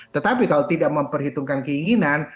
tetapi kalau tidak memperhitungkan keinginan